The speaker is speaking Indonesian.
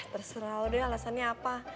terserah deh alasannya apa